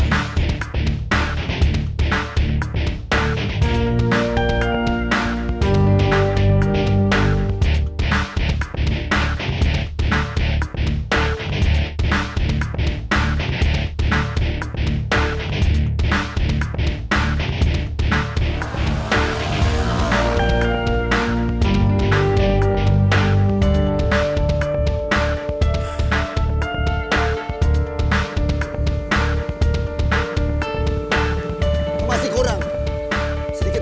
oke begini gue mau cerita sedikit